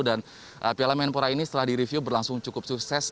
dan piala menpora ini setelah direview berlangsung cukup sukses